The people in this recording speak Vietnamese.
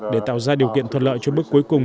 để tạo ra điều kiện thuận lợi cho bước cuối cùng